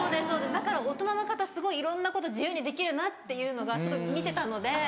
そうですだから大人の方すごいいろんなこと自由にできるなっていうのが見てたので。